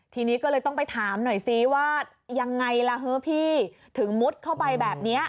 ทีนี้ก็เลยต้องไปถามหน่อยซิว่ายังไงล่ะฮะพี่ถึงมุดเข้าไปแบบนี้